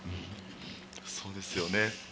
そうですよね。